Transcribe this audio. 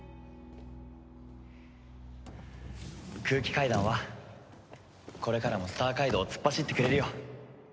空気階段はこれからもスター街道を突っ走ってくれるよ。